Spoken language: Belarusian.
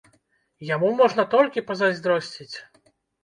Яму можна толькі пазайздросціць.